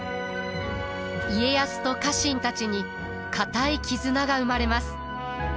家康と家臣たちに固い絆が生まれます。